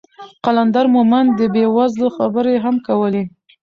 قلندر مومند د بې وزلو خبرې هم کولې.